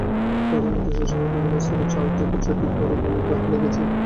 তাঁদের মাথাসহ শরীরের বিভিন্ন স্থানে চার থেকে ছয়টি করে গুলি লেগেছে।